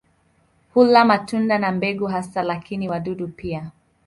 Hula matunda na mbegu hasa lakini wadudu pia.